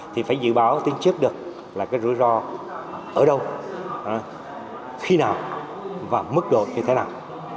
thì phải dự báo tính trước được là cái rủi ro ở đâu khi nào và mức độ như thế nào